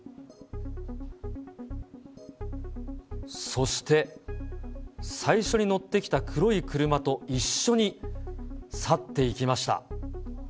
そして、最初に乗ってきた黒い車と一緒に去っていきました。